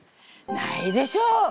ないでしょ。